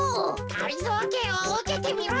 がりぞーけんをうけてみろ。